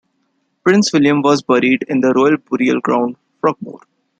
Prince William was buried in the Royal Burial Ground, Frogmore.